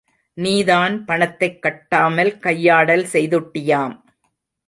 நீதான் பணத்தைக் கட்டாமல் கையாடல் செய்துட்டியாம்.